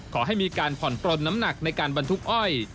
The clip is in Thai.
ขอให้มีการผ่อนปลนน้ำหนักในการบรรทุกอ้อย